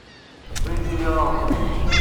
Tettbin tili uɛekkaz.